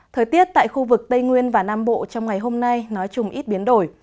thời tiết tại khu vực tây nguyên và nam bộ trong ngày hôm nay nói chung ít biến đổi